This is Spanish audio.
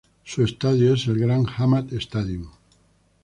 Su estadio es el Grand Hamad Stadium.